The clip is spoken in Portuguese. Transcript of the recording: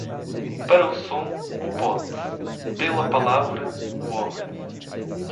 Para o som, o pote; pela palavra, o homem.